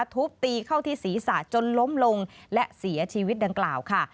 ทุบตีเข้าที่ศีรษะจนล้มลงและเสียชีวิตดังกล่าวค่ะ